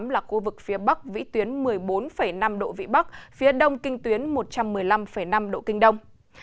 là khu vực phía bắc vĩ tuyến một mươi bốn năm độ vĩ bắc phía đông kinh tuyến một trăm một mươi năm năm độ kinh đông